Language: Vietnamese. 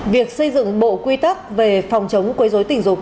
việc xây dựng bộ quý tắc về phòng chống quấy rối tình dục